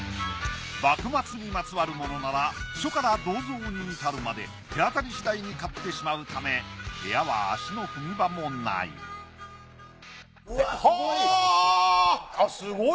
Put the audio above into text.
幕末にまつわるものなら書から銅像に至るまで手当たりしだいに買ってしまうため部屋は足の踏み場もないうわすごい。